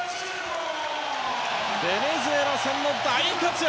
ベネズエラ戦の大活躍